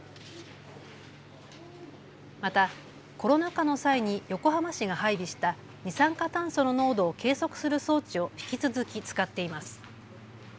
またコロナ禍の際に横浜市が配備した二酸化炭素の濃度を計測する装置を引き続き使っています。